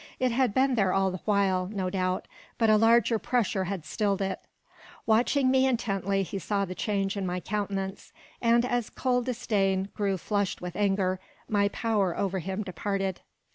It had been there all the while, no doubt, but a larger pressure had stilled it. Watching me intently, he saw the change in my countenance, and as cold disdain grew flushed with anger, my power over him departed.